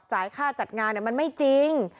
จ่ายค่าจัดงานเนี่ยมันไม่จริง